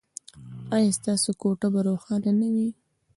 ایا ستاسو کوټه به روښانه نه وي؟